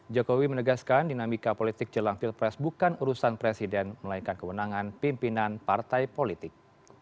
jokowi menegaskan dinamika politik jelang pilpres bukan urusan presiden melainkan kewenangan pimpinan partai politik